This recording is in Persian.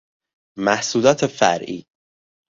محصولات فرعی